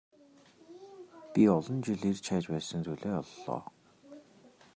Би олон жил эрж хайж байсан зүйлээ оллоо.